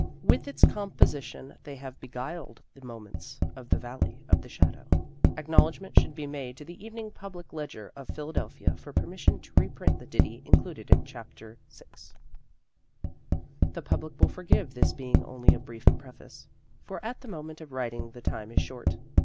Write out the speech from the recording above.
With its composition they have beguiled the moments of the valley of the shadow. Acknowledgement should be made to the Evening Public Ledger of Philadelphia for permission to reprint the ditty included in Chapter VI. The public will forgive this being only a brief preface, for at the moment of writing the time is short.